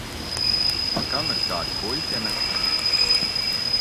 Kam ir kāda kuļķene?